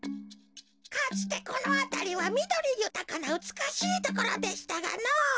かつてこのあたりはみどりゆたかなうつくしいところでしたがのぉ。